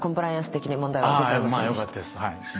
まあよかったです。